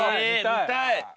見たい！